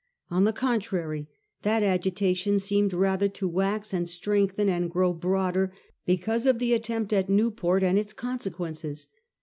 On the contrary, that agitation seemed rather to wax and strengthen and grow broader because of the attempt at Newport, and its consequences.